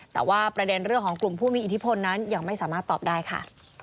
แต่ว่าประเด็นเรื่องของกลุ่มผู้มีอิทธิพลนั้นยังไม่สามารถตอบได้ค่ะ